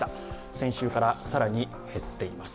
先週から更に減っています。